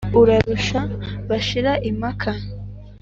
urarusha, bashira impaka